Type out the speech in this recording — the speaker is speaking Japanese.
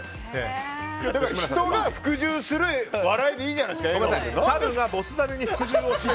人が服従する笑いでいいじゃないですか。